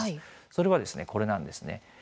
それは、これなんです。